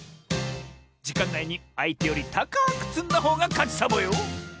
じかんないにあいてよりたかくつんだほうがかちサボよ！